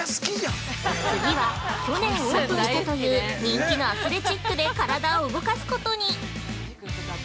◆次は、去年オープンしたという人気のアスレチックで体を動かすことに。